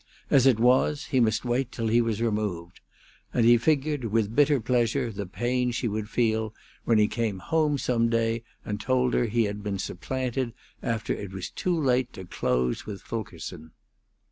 As it was, he must wait till he was removed; and he figured with bitter pleasure the pain she would feel when he came home some day and told her he had been supplanted, after it was too late to close with Fulkerson.